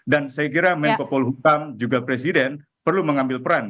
dan saya kira menko polhukam juga presiden perlu mengambil peran